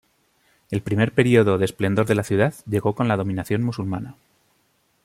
El primer periodo de esplendor de la ciudad llegó con la dominación musulmana.